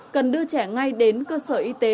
cần đưa trẻ ngay đến cơ sở y tế